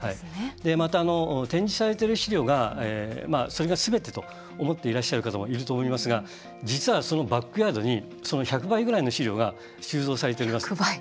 また、展示されてる資料がそれがすべてと思っていらっしゃる方もいると思いますが実はそのバックヤードにその１００倍ぐらいの資料が収蔵されています。